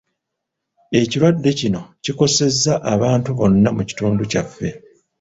Ekirwadde kino kikosezza abantu bonna mu kitundu kyaffe.